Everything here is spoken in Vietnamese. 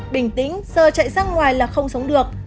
bình tĩnh giờ chạy ra ngoài là không sống được